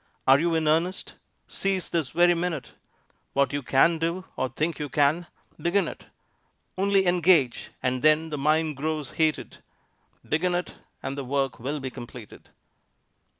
Are you in earnest? Seize this very minute! What you can do, or think you can, begin it! Only engage, and then the mind grows heated; Begin it, and the work will be completed.